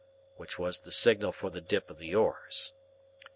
which was the signal for the dip of the oars.